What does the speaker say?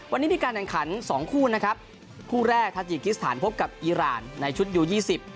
วันนี้มีการแข่งขันสองคู่นะครับคู่แรกทาจิกิสถานพบกับอีรานในชุดยูยี่สิบ